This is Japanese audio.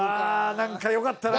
なんかよかったな。